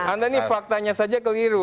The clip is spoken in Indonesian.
anda ini faktanya saja keliru